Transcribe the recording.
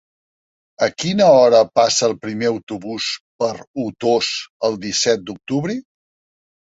A quina hora passa el primer autobús per Otos el disset d'octubre?